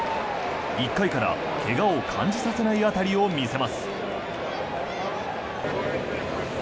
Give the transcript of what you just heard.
１回から、けがを感じさせない当たりを見せます。